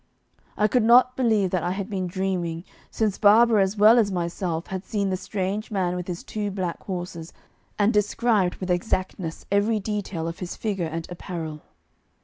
I could not believe that I had been dreaming, since Barbara as well as myself had seen the strange man with his two black horses, and described with exactness every detail of his figure and apparel.